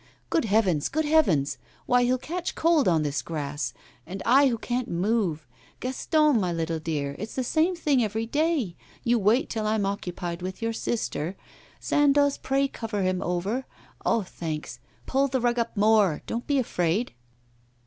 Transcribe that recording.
'Good heavens! good heavens! Why, he'll catch cold on this grass! And I, who can't move! Gaston, my little dear! It's the same thing every day; you wait till I'm occupied with your sister. Sandoz, pray cover him over! Ah, thanks! Pull the rug up more; don't be afraid!